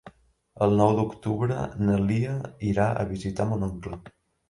El nou d'octubre na Lia irà a visitar mon oncle.